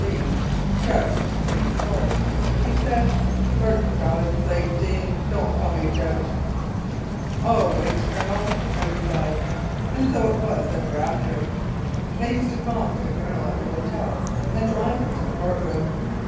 S.C. (Judge Supreme Court), he said, "For God's sake, Deane, don't call me Judge." "All right, Kur nell," I replied, and so it was ever after. I used to call for the Colonel at the hotel and drive him to the Court room.